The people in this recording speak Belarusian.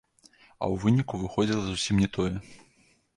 А ў выніку выходзіла зусім не тое.